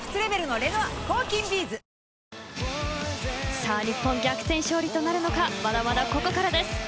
さあ日本、逆転勝利となるのかまだまだここからです。